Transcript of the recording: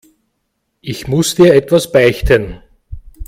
Ich muss dir etwas beichten.